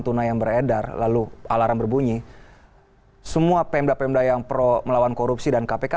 tunai yang beredar lalu alarm berbunyi semua pemda pemda yang pro melawan korupsi dan kpk